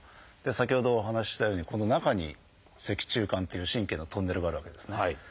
先ほどお話ししたようにこの中に脊柱管っていう神経のトンネルがあるわけですね。